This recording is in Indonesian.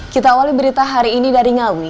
kita awali berita hari ini dari ngawi